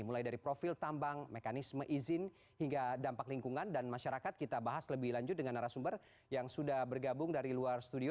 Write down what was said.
mulai dari profil tambang mekanisme izin hingga dampak lingkungan dan masyarakat kita bahas lebih lanjut dengan arah sumber yang sudah bergabung dari luar studio